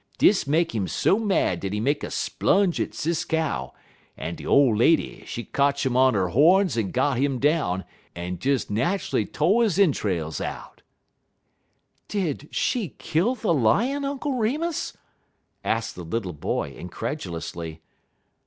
Dis make 'im so mad dat he make a splunge at Sis Cow, en de old lady, she kotch 'im on her hawns en got 'im down, en des nat'ally to' intruls out." "Did she kill the Lion, Uncle Remus?" asked the little boy, incredulously.